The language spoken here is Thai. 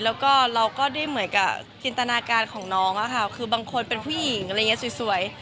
แล้วก็เราก็ได้เหมือนกับจินตนาการของน้องอะค่ะคือบางคนเป็นผู้หญิงอะไรอย่างนี้สวย